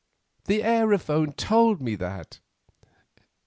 The aerophone told me that."